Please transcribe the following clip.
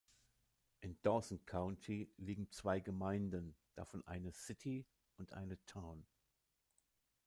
Im Dawson County liegen zwei Gemeinden, davon eine "City" und eine "Town".